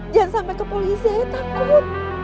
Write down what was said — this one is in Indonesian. jangan sampai ke polisi takut